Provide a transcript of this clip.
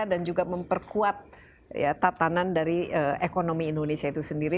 dan juga memperkuat tatanan dari ekonomi indonesia itu sendiri